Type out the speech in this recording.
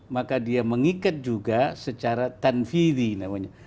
maka dia mengikat juga secara tanfidi namanya